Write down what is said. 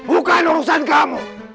bukan urusan kamu